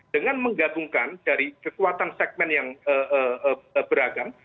dengan menggabungkan dari kekuatan segmen yang beragam